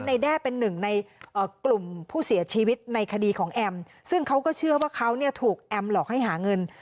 แด้เป็นหนึ่งในกลุ่มผู้เสียชีวิตในคดีของแอมซึ่งเขาก็เชื่อว่าเขาเนี่ยถูกแอมหลอกให้หาเงิน